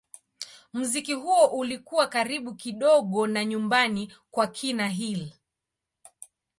Muziki huo ulikuwa karibu kidogo na nyumbani kwa kina Hill.